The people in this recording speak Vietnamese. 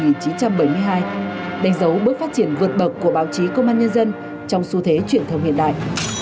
năm một nghìn chín trăm bảy mươi hai đánh dấu bước phát triển vượt bậc của báo chí công an nhân dân trong xu thế truyền thông hiện đại